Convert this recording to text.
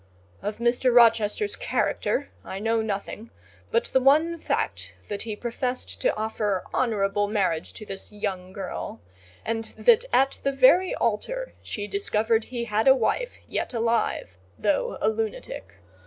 Of Mr. Rochester's character I know nothing, but the one fact that he professed to offer honourable marriage to this young girl, and that at the very altar she discovered he had a wife yet alive, though a lunatic.